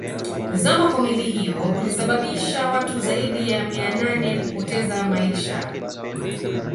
Kuzama kwa meli hiyo kulisababisha watu zaidi ya mia nane kupoteza maisha